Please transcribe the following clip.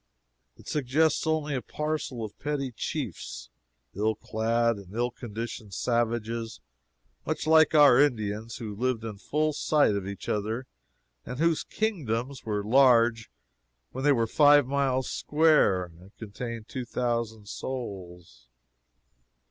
It suggests only a parcel of petty chiefs ill clad and ill conditioned savages much like our Indians, who lived in full sight of each other and whose "kingdoms" were large when they were five miles square and contained two thousand souls.